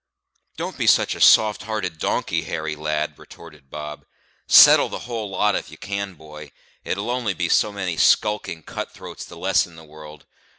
"Don't be such a soft hearted donkey, Harry, lad," retorted Bob. "Settle the whole lot if you can, boy; it'll only be so many skulking cut throats the less in the world.